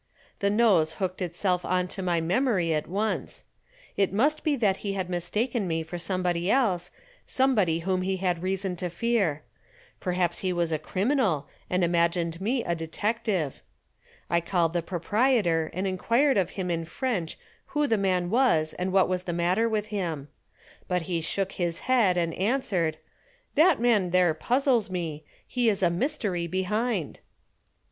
The nose hooked itself on to my memory at once. It must be that he had mistaken me for somebody else, somebody whom he had reason to fear. Perhaps he was a criminal and imagined me a detective. I called the proprietor and inquired of him in French who the man was and what was the matter with him. But he shook his head and answered: "That man there puzzles me. There is a mystery behind."